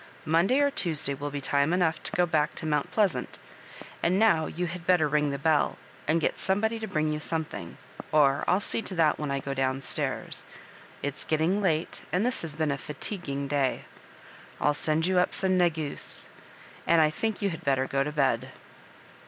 Monday or Tuesday will be time enough to go back to Mount Plea sant ; and now you had better ring the bell, and get somebody to bring you something— or I'll see to that when I go down stairs. It's getting late, and this has been a fatiguing day. I'll send you up some negus, and I think you had better go to bed."